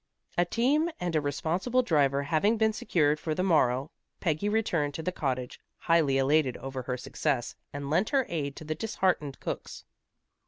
A team and a responsible driver having been secured for the morrow, Peggy returned to the cottage highly elated over her success, and lent her aid to the disheartened cooks.